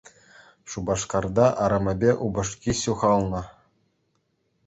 Шупашкарта арӑмӗпе упӑшки ҫухалнӑ.